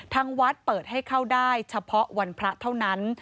ทางวัดเปิดให้เข้าได้เฉพาะวันพระเท่านั้น